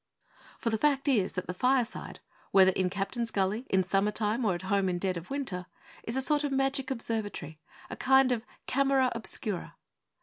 For the fact is that the fireside, whether in Captain's Gully in summer time or at home in dead of winter, is a sort of magic observatory, a kind of camera obscura.